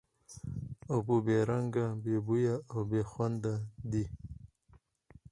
اوبه بې رنګ، بې بوی او بې خوند دي.